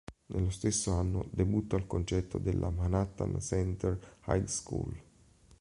Nello stesso anno, debutta al concerto della Manhattan Center High School.